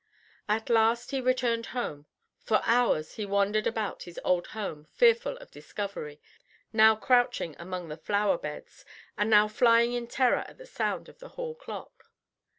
At last he returned home. For hours he wandered about his old home, fearful of discovery, now crouching amongst the flower beds, and now flying in terror at the sound of the hall clock.